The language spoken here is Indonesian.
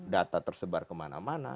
data tersebar kemana mana